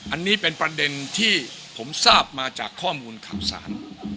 อันนี้เป็นประเด็นที่ผมทราบมาจากข้อมูลข่าวสาร